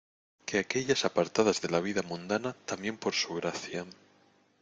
que aquellas apartadas de la vida mundana, también por su Gracia...